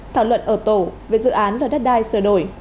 thảo luận ở tổ về dự án luật đất đai sửa đổi